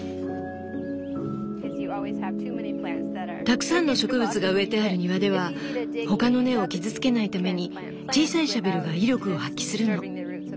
たくさんの植物が植えてある庭では他の根を傷つけないために小さいシャベルが威力を発揮するの。